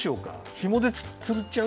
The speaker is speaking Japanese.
ひもでつるっちゃう？